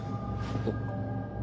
あっ。